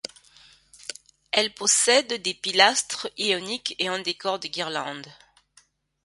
Elle possède des pilastres ioniques et un décor de guirlandes.